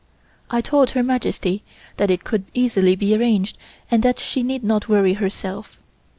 I told Her Majesty that it could easily be arranged and that she need not worry herself.